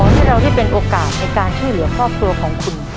ให้เราได้เป็นโอกาสในการช่วยเหลือครอบครัวของคุณ